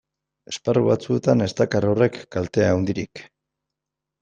Esparru batzuetan ez dakar horrek kalte handirik.